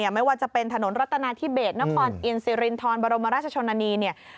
ไม่ว่าจะเป็นถนนรัฐนาธิเบสนครอินซิรินทรบรมราชชนนานีเนี่ย